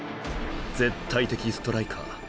絶対的ストライカー。